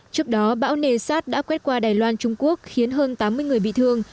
trước đó bão nesat đã quét qua đài loan trung quốc khiến hơn tám mươi người bị thương